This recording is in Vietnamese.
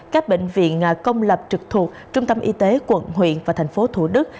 các bệnh viện công lập trực thuộc trung tâm y tế quận huyện và tp thủ đức